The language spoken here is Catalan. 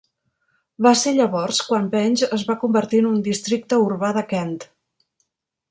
Va ser llavors quan Penge es va convertir en un districte urbà de Kent.